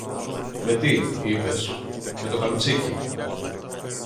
Με τι, είπες; Με το καμτσίκι!